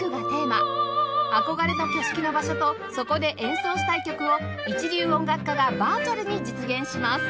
憧れの挙式の場所とそこで演奏したい曲を一流音楽家がバーチャルに実現します